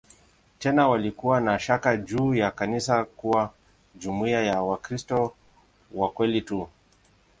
Tena walikuwa na shaka juu ya kanisa kuwa jumuiya ya "Wakristo wa kweli tu".